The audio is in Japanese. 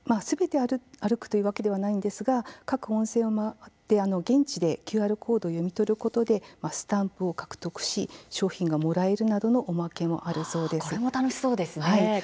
すべて歩くというわけではないんですが各温泉地を回って現地でＱＲコードを読み取ることでスタンプを獲得し賞品がもらえるなどのおまけもあるそうです。